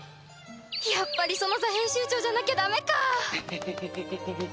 やっぱりソノザ編集長じゃなきゃダメか